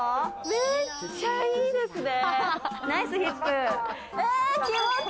めっちゃいいですね。